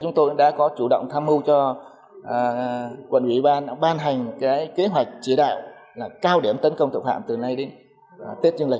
chúng tôi đã có chủ động tham mưu cho quận ủy ban đã ban hành kế hoạch chỉ đạo cao điểm tấn công tội phạm từ nay đến tết dương lịch